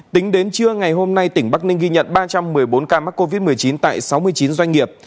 tính đến trưa ngày hôm nay tỉnh bắc ninh ghi nhận ba trăm một mươi bốn ca mắc covid một mươi chín tại sáu mươi chín doanh nghiệp